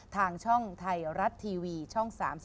ทางช่องไทยรัฐทีวีช่อง๓๒